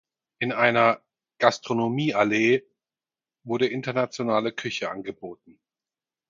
In einer „Gastronomie-Allee“ wurde internationale Küche angeboten.